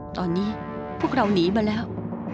ตอนนี้พวกเราหนีมาแล้ว